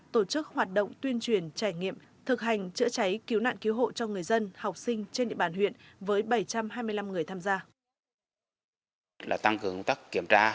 tổ chức hoạt động tuyên truyền trải nghiệm thực hành chữa cháy cứu nạn cứu hộ cho người dân học sinh trên địa bàn huyện với bảy trăm hai mươi năm người tham gia